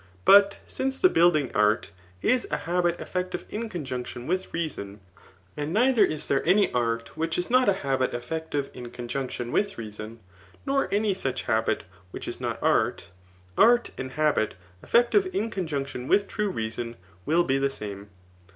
But since the building art is a habit effective in conjunc* tion with reason, and neither is there any art which is not a habit effective in conjunction with reason, nor any such habit which is not art ; art and habit effective in conjunc* tbn with true reason will be the same.